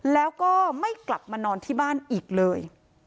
แล้วก็ไม่กลับมานอนที่บ้านอีกเลย